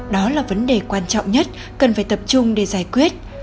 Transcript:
đó là vấn đề quan trọng nhất cần phải tập trung để giải quyết